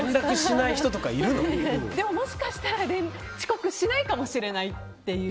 でも、もしかしたら遅刻しないかもしれないという。